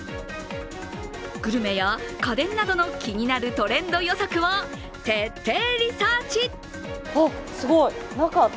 グルメや家電などの気になるトレンド予測を徹底リサーチ。